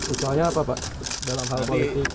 upaya apa pak dalam hal politik